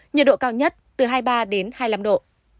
nhiệt độ cao nhất từ hai mươi ba đến hai mươi năm độ